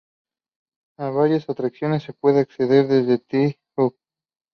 A varias atracciones se puede acceder desde "The Hub".